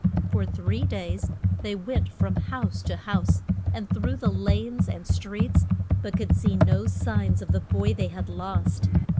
For three days they went from house to house, and through the lanes and streets, but could see no signs of the boy they had lost.